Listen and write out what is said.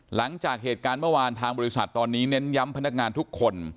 หลังจากเหตุการณ์เมื่อวานทางบริษัทตอนนี้เน้นย้ำพนักงานทุกคน